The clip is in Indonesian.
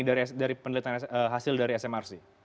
apa artinya ini dari pendidikan hasil dari smrc